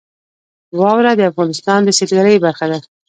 واوره د افغانستان د سیلګرۍ برخه ده.